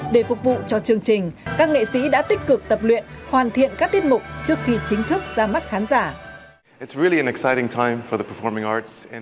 để phục vụ cho chương trình các nghệ sĩ đã tích cực tập luyện hoàn thiện các tiết mục trước khi chính thức ra mắt khán giả